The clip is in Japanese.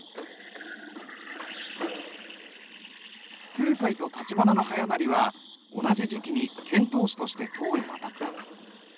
空海と橘逸勢は同じ時期に遣唐使として唐へ渡った。